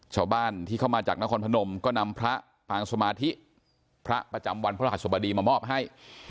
ชาวบ้านที่เข้ามาจากนครพนมก็นำพระปางสมาธิพระประจำวันพระรหัสบดีมามอบให้